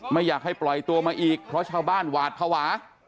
ไม่อยากให้ปล่อยตัวมาอีกเพราะชาวบ้านหวาดภาวะ